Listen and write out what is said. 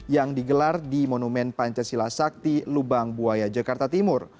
yang digelar di monumen pancasila sakti lubang buaya jakarta timur